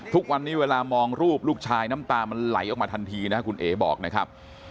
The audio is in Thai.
ทุกวันนี้เวลามองรูปลูกชายน้ำตามันไหลออกมาทันทีนะคุณเอ๋บอกนะครับ